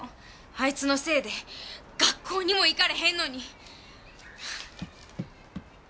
あいつのせいで学校にも行かれへんのに。